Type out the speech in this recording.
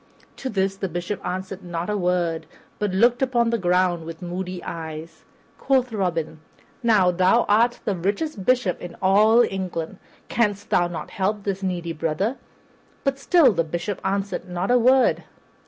To this the Bishop answered not a word but looked upon the ground with moody eyes. Quoth Robin, "Now, thou art the richest bishop in all England; canst thou not help this needy brother?" But still the Bishop answered not a word.